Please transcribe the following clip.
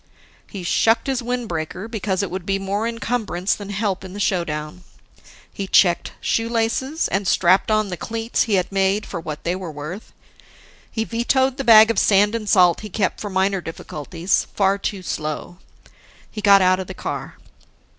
He shucked his windbreaker because it would be more encumbrance than help in the showdown. He checked, shoelaces, and strapped on the cleats he had made for what they were worth. He vetoed the bag of sand and salt he kept for minor difficulties far too slow. He got out of the car.